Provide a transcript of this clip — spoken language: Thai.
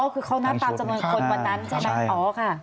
คือเขานับตามจำนวนคนวันนั้นใช่ไหมอ๋อค่ะ